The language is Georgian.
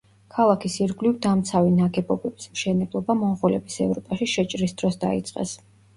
ქალაქის ირგვლივ დამცავი ნაგებობების მშენებლობა მონღოლების ევროპაში შეჭრის დროს დაიწყეს.